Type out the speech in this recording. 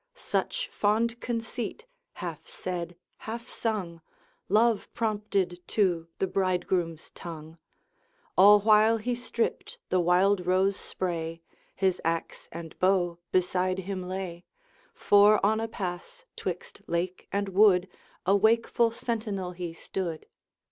Such fond conceit, half said, half sung, Love prompted to the bridegroom's tongue. All while he stripped the wild rose spray, His axe and bow beside him lay, For on a pass 'twixt lake and wood A wakeful sentinel he stood.